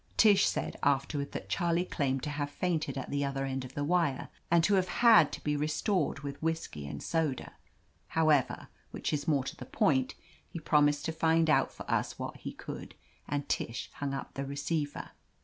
Tish said after ward that Charlie claimed to have fainted at the other end of the wire, and to have had to be restored with whisky and soda. However, which is more to the point, he promised to find out for us what he could, and Tish hung up the receiver.